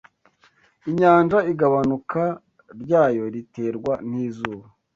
inyanja igabanuka ryayo riterwa n,izuba